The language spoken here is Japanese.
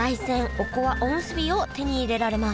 おむすびを手に入れられます